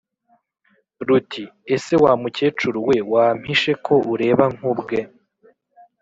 ruti:" ese wa mukecuru we wampishe ko ureba nkubwe!"